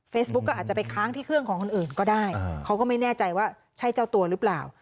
ก็อาจจะไปค้างที่เครื่องของคนอื่นก็ได้เขาก็ไม่แน่ใจว่าใช่เจ้าตัวหรือเปล่า